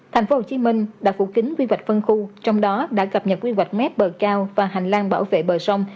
tp hcm đã phủ kính quy hoạch phân khu trong đó đã cập nhật quy hoạch mép bờ cao và hành lang bảo vệ bờ sông